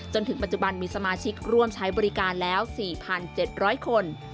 จนถึงปัจจุบันมีสมาชิกร่วมใช้บริการแล้ว๔๗๐๐คน